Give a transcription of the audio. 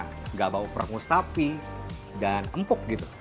nggak bau perangus sapi dan empuk gitu